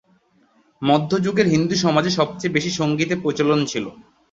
মধ্যযুগের হিন্দু সমাজে সবচেয়ে বেশি সঙ্গীতে প্রচলন ছিল।